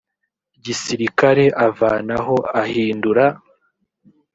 gisirikare avanaho ahindura